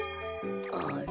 あれ？